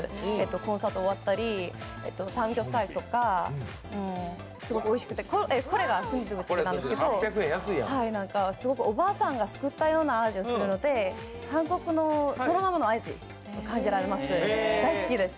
コンサート終わったりサムギョプサルとかおいしくてこれが純豆腐チゲなんですけど、おばあさんが作ったような味がするので韓国のそのままの味感じられます、大好きです。